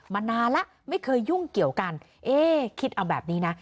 มานานแล้วไม่เคยยุ่งเกี่ยวกันเอ๊คิดเอาแบบนี้นะ